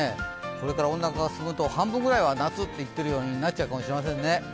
これから温暖化が進むと半分ぐらいは夏っていっているようになっちゃうかもしれませんね。